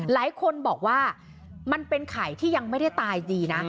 หลายคนบอกว่ามันเป็นไข่ที่ยังไม่ได้ตายดีนะ